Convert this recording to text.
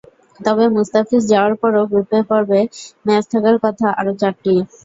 তবে মুস্তাফিজ যাওয়ার পরও গ্রুপ পর্বে ম্যাচ থাকার কথা আরও চারটি।